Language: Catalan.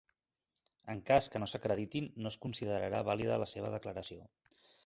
En cas que no s'acreditin no es considerarà vàlida la seva declaració.